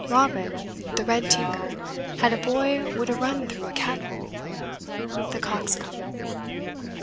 Robin, the red tinker, had a boy Would ha run through a cat hole. THE COXCOMB.